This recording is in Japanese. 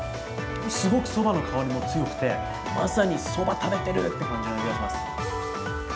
すごくそばの香りも強くてまさにそば食べてる！って感じがします。